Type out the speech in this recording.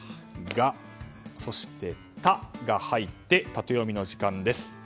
「ガ」、「タ」が入ってタテヨミの時間です。